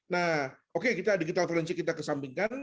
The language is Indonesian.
nah oke kita digital forensik kita kesampingkan